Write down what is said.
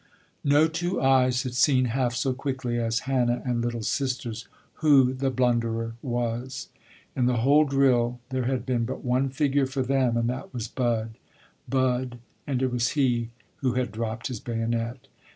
No two eyes had seen half so quickly as Hannah and "little sister's" who the blunderer was. In the whole drill there had been but one figure for them, and that was Bud, Bud, and it was he who had dropped his bayonet.